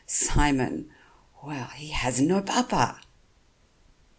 Simon ... well, he has no papa."